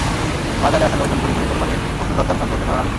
বাজারে আসা লোকজন ঘুরে ঘুরে কোরবানির পশুর দরদাম সম্পর্কে ধারণা নিচ্ছেন।